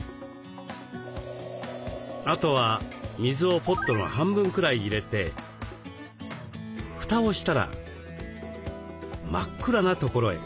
あとは水をポットの半分くらい入れて蓋をしたら真っ暗な所へ。